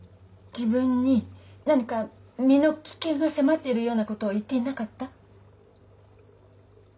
自分に何か身の危険が迫っているようなことを言っていなかった？